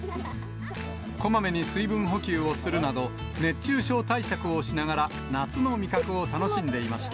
こまめに水分補給をするなど、熱中症対策をしながら、夏の味覚を楽しんでいました。